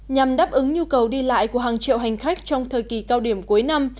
nhằm đáp ứng nhu cầu đi lại của hàng triệu hành khách trong thời kỳ cao điểm cuối năm